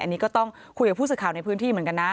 อันนี้ก็ต้องคุยกับผู้สื่อข่าวในพื้นที่เหมือนกันนะ